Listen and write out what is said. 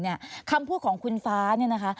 คำพูดของคุณฟ้าเนี่ยนะคะ